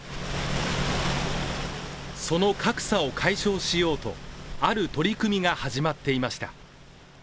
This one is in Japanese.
その格差を解消しようとある取り組みが始まっていました。